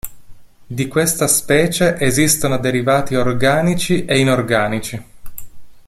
Di questa specie esistono derivati organici e inorganici.